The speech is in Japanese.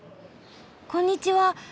こんにちは。